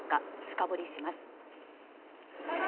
深掘りします。